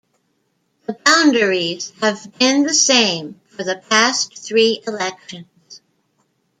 The boundaries have been the same for the past three elections.